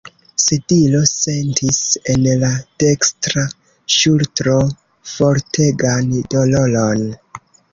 Sedilo sentis en la dekstra ŝultro fortegan doloron.